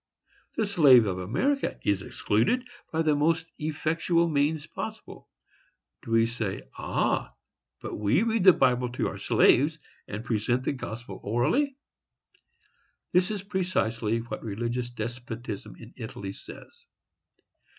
—The slave of America is excluded by the most effectual means possible. Do we say, "Ah! but we read the Bible to our slaves, and present the gospel orally?"—This is precisely what religious despotism in Italy says.